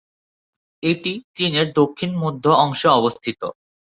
এটি চীনের দক্ষিণ-মধ্য অংশে অবস্থিত।